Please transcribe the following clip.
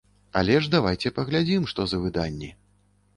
Але ж давайце паглядзім, што за выданні.